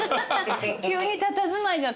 急にたたずまいが。